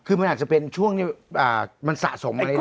คือมันอาจจะเป็นช่วงนี้มันสะสมมาเรื่อย